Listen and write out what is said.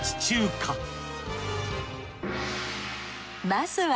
まずは。